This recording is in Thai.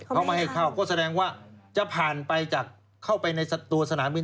เขาไม่ให้เข้าก็แสดงว่าจะผ่านไปจากเข้าไปในตัวสนามบิน